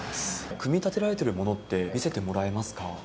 組み立てられてるものって、見せてもらえますか？